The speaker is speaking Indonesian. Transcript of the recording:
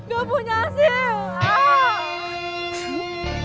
gak punya sim